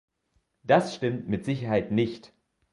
Das stimmt mit Sicherheit nicht.